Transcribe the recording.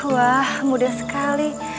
wah muda sekali